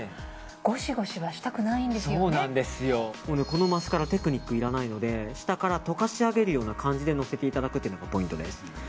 このマスカラテクニックいらないので下からとかし上げるような感じでのせていただくのがポイントです。